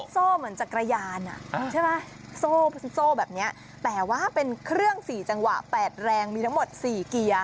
โซ่เหมือนจักรยานโซ่แบบนี้แต่ว่าเป็นเครื่องสี่จังหวะแปดแรงมีทั้งหมดสี่เกียร์